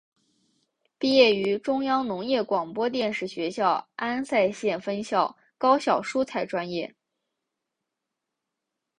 毕业于中央农业广播电视学校安塞县分校高效蔬菜专业。